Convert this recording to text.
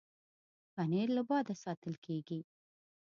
پنېر له باده ساتل کېږي.